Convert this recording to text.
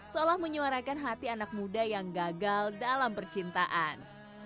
seolah menyuarakan hati anak muda yang gagal dalam percintaan